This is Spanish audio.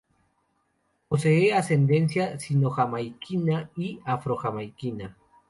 Posee ascendencia sino-jamaiquina y afro-jamaiquina.